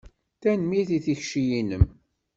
Tanemmirt i tikci-inem.